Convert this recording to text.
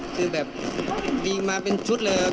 คือแบบมีมาเป็นชุดเลยครับ